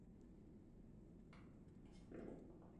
The van was nicknamed "Violetta" because of its colour.